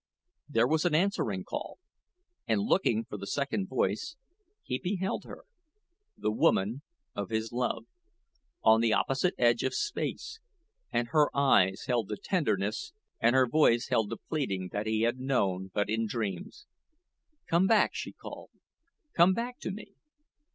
There was an answering call, and looking for the second voice, he beheld her the woman of his love on the opposite edge of space; and her eyes held the tenderness, and her voice held the pleading that he had known but in dreams. "Come back," she called; "come back to me."